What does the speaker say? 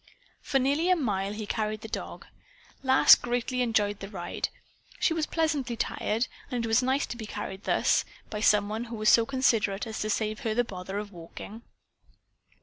For nearly a mile he carried the dog. Lass greatly enjoyed the ride. She was pleasantly tired, and it was nice to be carried thus, by some one who was so considerate as to save her the bother of walking.